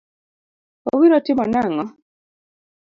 Obiro timo nang'o?